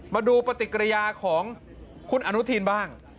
มาดูปฏิกิริยาของคุณอนุทินบ้าง